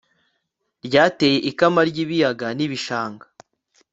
byateye ikama ry'ibiyaga n'ibishanga